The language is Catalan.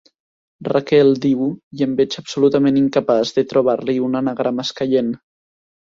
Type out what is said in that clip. Raquel, diu, i em veig absolutament incapaç de trobar-li un anagrama escaient.